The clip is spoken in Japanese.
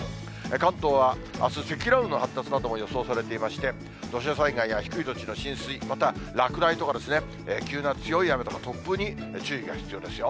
関東はあす、積乱雲の発達なども予想されていまして、土砂災害や低い土地の浸水、また落雷とか急な強い雨とか、突風に注意が必要ですよ。